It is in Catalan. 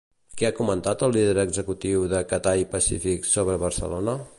Què ha comentat el líder executiu de Cathay Pacific sobre Barcelona?